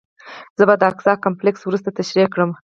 زه به د اقصی کمپلکس وروسته تشریح کړم.